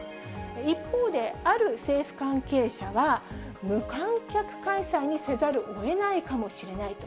一方で、ある政府関係者は、無観客開催にせざるをえないかもしれないと。